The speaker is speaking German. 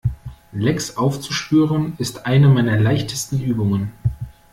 Lecks aufzuspüren, ist eine meiner leichtesten Übungen.